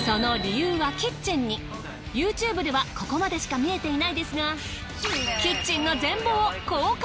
ＹｏｕＴｕｂｅではここまでしか見えていないですが。